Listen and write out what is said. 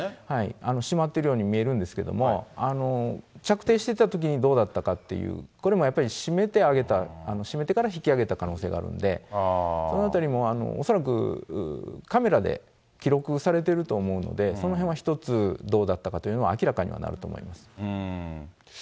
閉まっているように見えるんですけれども、着底してたときにどうだったかっていう、これもやっぱり閉めて揚げた、閉めてから引き揚げた可能性があるんで、そのあたりも恐らくカメラで記録されてると思うので、そのへんは一つ、どうだったかというのは明らかにはなると思います。